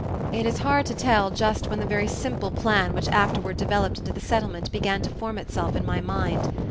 It is hard to tell just when the very simple plan which afterward developed into the Settlement began to form itself in my mind.